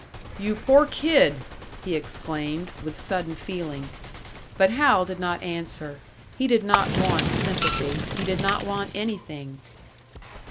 "You poor kid!" he exclaimed, with sudden feeling. But Hal did not answer; he did not want sympathy, he did not want anything!